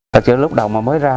thật chứ lúc đầu mới ra